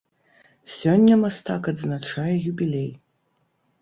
Сёння мастак адзначае юбілей.